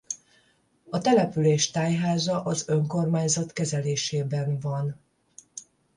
A település tájháza az önkormányzat kezelésében van.